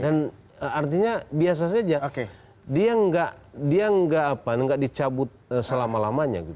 dan artinya biasanya dia tidak dicabut selama lamanya